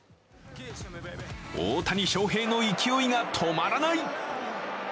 大谷翔平の勢いが止まらない。